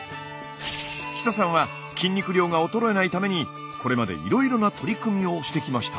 北さんは筋肉量が衰えないためにこれまでいろいろな取り組みをしてきました。